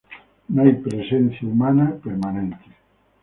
No hay presencia humana permanente.